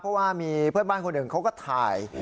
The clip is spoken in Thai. เพราะว่ามีเพื่อนบ้านคนหนึ่งเขาก็ถ่าย